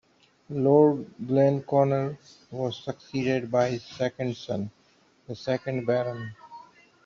Lord Glenconner was succeeded by his second son, the second baron.